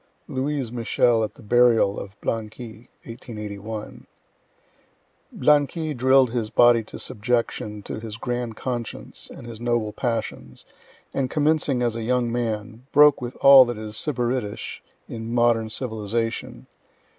Louise Michel at the burial of Blanqui, (1881.) Blanqui drill'd his body to subjection to his grand conscience and his noble passions, and commencing as a young man, broke with all that is sybaritish in modern civilization.